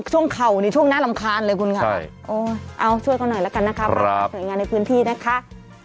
ช่วงเขาช่วงหน้ารำคาญเลยคุณขาเอาช่วยเขาหน่อยแล้วกันนะครับส่วนงานในพื้นที่นะคะ